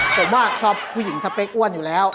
ผมว่าชอบผู้หญิงสเปคอ้วนอยู่แล้ว